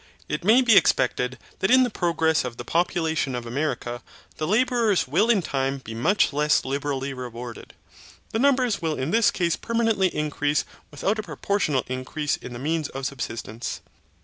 It may be expected that in the progress of the population of America, the labourers will in time be much less liberally rewarded. The numbers will in this case permanently increase without a proportional increase in the means of subsistence.